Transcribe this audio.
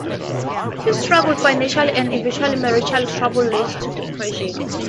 He struggled financially and eventually marital trouble led to depression.